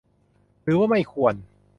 หรือว่าไม่ควร